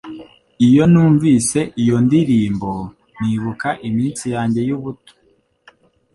Iyo numvise iyo ndirimbo, nibuka iminsi yanjye y'ubuto